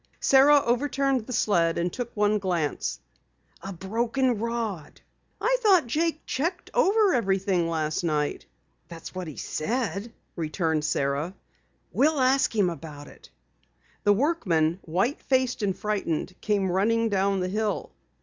Sara overturned the sled and took one glance. "A broken rod." "I thought Jake checked over everything last night." "That's what he said," returned Sara. "We'll ask him about it." The workman, white faced and frightened, came running down the hill.